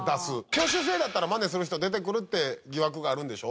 挙手制だったらマネする人出てくるって疑惑があるんでしょ。